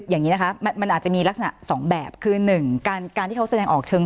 อย่างนี้นะคะมันอาจจะมีลักษณะสองแบบคือหนึ่งการที่เขาแสดงออกเชิง